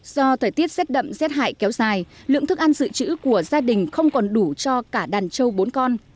do thời tiết rét đậm rét hại kéo dài lượng thức ăn dự trữ của gia đình không còn đủ cho cả đàn trâu bốn con